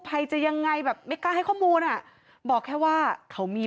ภัยจะยังไงแบบไม่กล้าให้ข้อมูลอ่ะบอกแค่ว่าเขามี